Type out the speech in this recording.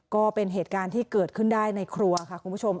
ก็เป็นเหตุการณ์ที่เกิดขึ้นได้ในครัวค่ะคุณผู้ชม